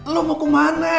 lu mau kemana